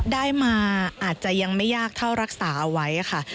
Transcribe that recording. ได้มาอาจจะยังไม่ยากเท่ารักษาเอาไว้ค่ะ